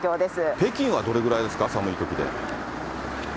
北京はどれぐらいですか、寒いときで。